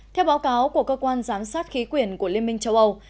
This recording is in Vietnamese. theo báo cáo của cơ quan giám sát khí quyển của liên minh châu âu